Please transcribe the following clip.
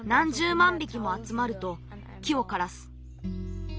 まんびきもあつまると木をからす。